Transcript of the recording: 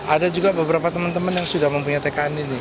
ada juga beberapa teman teman yang sudah mempunyai tkn ini